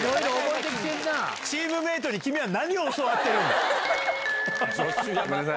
チームメートに君は何を教わごめんなさい。